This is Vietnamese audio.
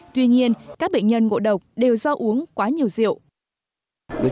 tuy nhiên các bệnh nhân ngộ độc đều do uống quá nhiều rượu